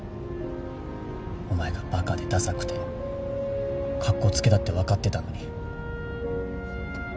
お前がバカでダサくてカッコつけだって分かってたのに。